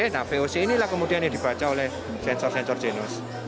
nah voc inilah kemudian yang dibaca oleh sensor sensor jenus